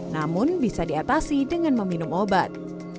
namun bisa diatasi dengan meminum obat